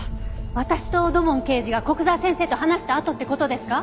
私と土門刑事が古久沢先生と話したあとって事ですか？